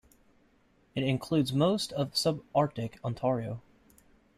It includes most of subarctic Ontario.